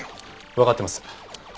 わかってます。